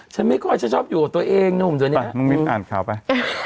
ฉันไม่ค่อยฉันชอบอยู่ตัวเองนุ่มตัวเนี้ยอืมไปมึงมิ้นอ่านข่าวไป